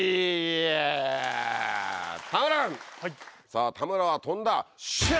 さぁ田村は飛んだシュ！